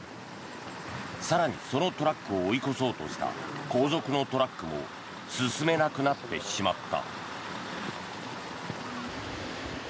更に、そのトラックを追い越そうとした後続のトラックも進めなくなってしまった。